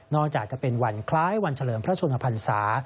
จากจะเป็นวันคล้ายวันเฉลิมพระชนมพันศา